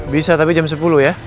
bisa tapi jam sepuluh ya